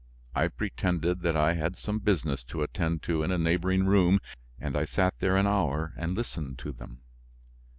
I pretended that I had some business to attend to in a neighboring room and I sat there an hour and listened to them.